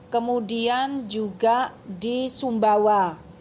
kemudian juga di sumbawa